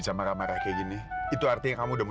sampai jumpa di video selanjutnya